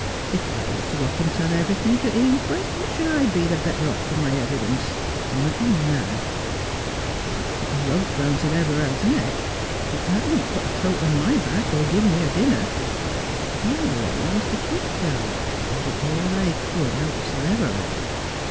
If I was to up and tell every think at the inquest, what should I be better off for my evidence t Not a mag. I might put a rope round Sir Everard's neck ; but that wouldn't put a coat on my back, or give me a dinner. My lay was to keep dark, and get all I could out of Sir Everard.